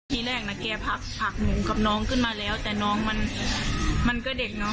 ทีแรกนะแกผักหนูกับน้องขึ้นมาแล้วแต่น้องมันมันก็เด็กเนอะ